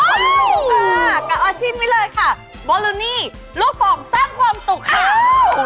ถ้าอยากรู้นะครับว่าอาชีพนี้สร้างความสุขให้จุกอกมากขนาดไหน